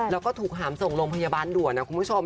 แล้วก็ถูกหามส่งโรงพยาบาลด่วนนะคุณผู้ชม